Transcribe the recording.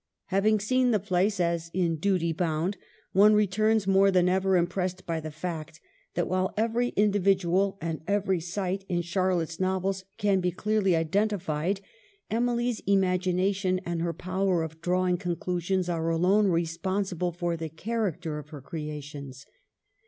Having seen the place, as in duty bound, one returns more than ever impressed by the fact that while every individual and every site in Charlotte's novels can be clearly identified, Emily's imagination and her power of drawing conclusions are alone respon sible for the character of her creations.